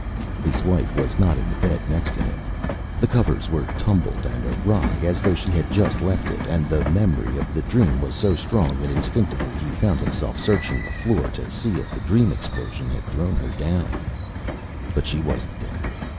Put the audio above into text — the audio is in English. His wife was not in the bed next to him. The covers were tumbled and awry, as though she had just left it, and the memory of the dream was so strong that instinctively he found himself searching the floor to see if the dream explosion had thrown her down. But she wasn't there.